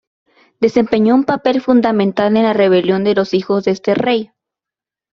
Desempeñó un papel fundamental en la rebelión de los hijos de este rey.